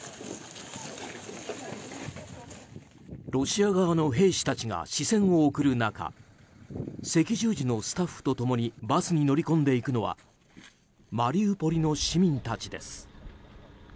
ロシア側の兵士たちが視線を送る中赤十字のスタッフと共にバスに乗り込んでいくのはマリウポリの市民たちです。